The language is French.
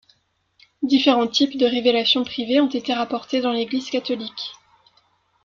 Différents types de révélations privées ont été rapportés dans l'Église catholique.